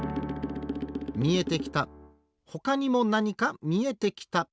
みえてきたほかにもなにかみえてきた。